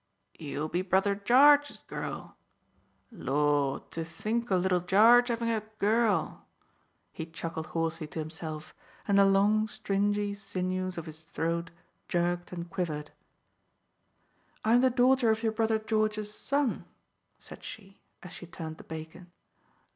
"You'll be brother Jarge's girl! Lor, to think o' little Jarge having a girl!" He chuckled hoarsely to himself, and the long, stringy sinews of his throat jerked and quivered. "I am the daughter of your brother George's son," said she, as she turned the bacon.